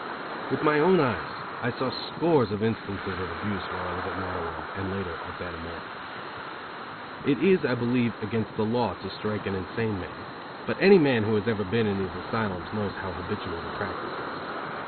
With my own eyes I saw scores of instances of abuse while I was at Matteawan and later at Dannemora. It is, I believe, against the law to strike an insane man, but any man who has ever been in these asylums knows how habitual the practice is.